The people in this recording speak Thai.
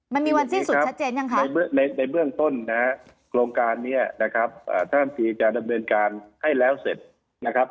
มันมีวันสิ้นสุดชัดเจนยังคะในเบื้องต้นนะโครงการนี้นะครับท่านตรีจะดำเนินการให้แล้วเสร็จนะครับ